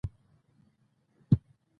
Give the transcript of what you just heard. ګوتې يې غوړې شوې.